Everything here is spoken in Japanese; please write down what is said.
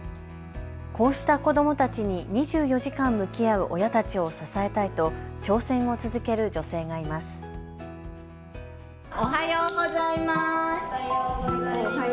こうした子どもたちに２４時間向き合う親たちを支えたいと挑戦を続ける女性がいます。